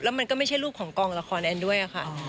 มันก็ไม่ใช่รูปของกองละครแอนด้วยค่ะ